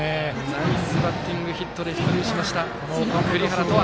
ナイスバッティングヒットで出塁しました、栗原星羽。